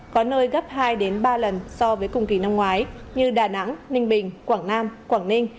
có nơi gấp hai ba lần so với cùng kỳ năm ngoái như đà nẵng ninh bình quảng nam quảng ninh